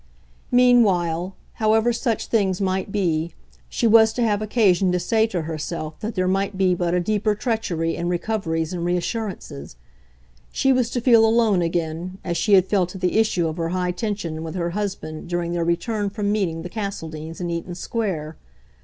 Meanwhile, however such things might be, she was to have occasion to say to herself that there might be but a deeper treachery in recoveries and reassurances. She was to feel alone again, as she had felt at the issue of her high tension with her husband during their return from meeting the Castledeans in Eaton Square.